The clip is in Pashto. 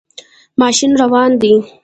ماشین روان دی